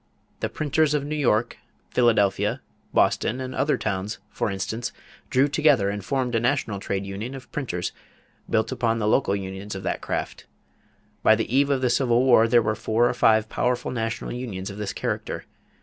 The printers of New York, Philadelphia, Boston, and other towns, for instance, drew together and formed a national trade union of printers built upon the local unions of that craft. By the eve of the Civil War there were four or five powerful national unions of this character.